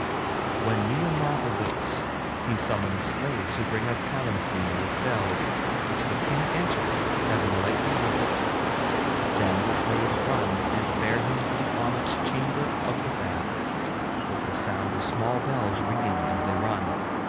'When Nehemoth awakes he summons slaves who bring a palanquin with bells, which the King enters, having lightly robed. Then the slaves run and bear him to the onyx Chamber of the Bath, with the sound of small bells ringing as they run.